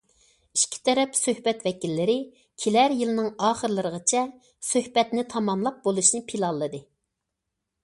ئىككى تەرەپ سۆھبەت ۋەكىللىرى كېلەر يىلىنىڭ ئاخىرلىرىغىچە سۆھبەتنى تاماملاپ بولۇشنى پىلانلىدى.